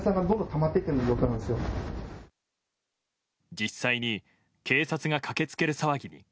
実際に警察が駆けつける騒ぎに。